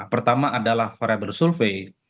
pertama adalah variable survei